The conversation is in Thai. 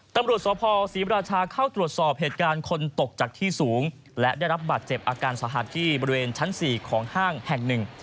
ตำรวจสภศรีราชาเข้าตรวจสอบเหตุการณ์คนตกจากที่สูงและได้รับบาดเจ็บอาการสาหัสที่บริเวณชั้น๔ของห้างแห่งหนึ่ง